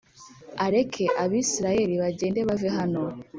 areke Abisirayeli bagende bave hano